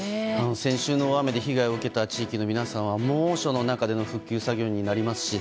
先週の大雨で被害を受けた地域の皆さんは猛暑の中での復旧作業になりますし